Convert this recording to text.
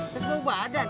tes bau badan